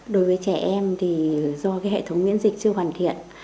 đối với trẻ em thì do hệ thống miễn dịch chưa hoàn thiện